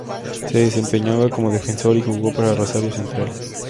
Se desempeñaba como defensor y jugó para Rosario Central.